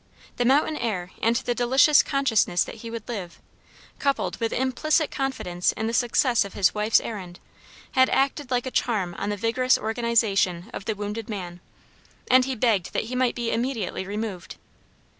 The mountain air and the delicious consciousness that he would live, coupled with implicit confidence in the success of his wife's errand, had acted like a charm on the vigorous organization of the wounded man, and he begged that he might be immediately removed.